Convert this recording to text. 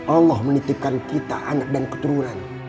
allah menitipkan kita anak dan keturunan